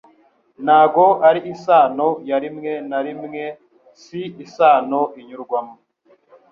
Ntabwo ari isano ya rimwe na rimwe, si isano inyurwamo.